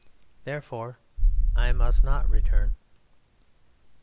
Therefore I must not return.